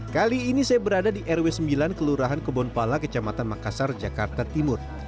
kali ini saya berada di rw sembilan kelurahan kebonpala kecamatan makassar jakarta timur